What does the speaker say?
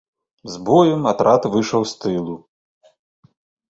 З боем атрад выйшаў з тылу.